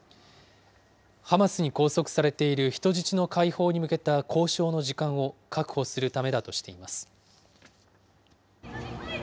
ハマスに拘束されている人質の解放に向けた交渉の時間を確保するためだとしています。